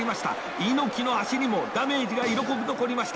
猪木の足にもダメージが色濃く残りました。